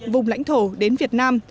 vùng lãnh thổ đến việt nam